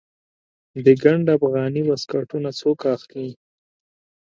د ګنډ افغاني واسکټونه څوک اخلي؟